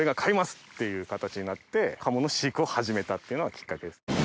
っていう形になって鴨の飼育を始めたっていうのがきっかけです。